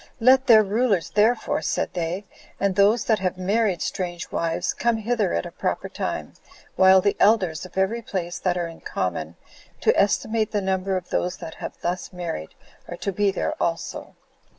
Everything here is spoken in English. "Let their rulers, therefore, [said they,] and those that have married strange wives, come hither at a proper time, while the elders of every place, that are in common to estimate the number of those that have thus married, are to be there also."